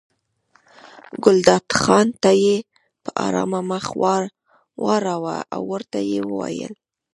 ګلداد خان ته یې په ارامه مخ واړاوه او ورته ویې ویل.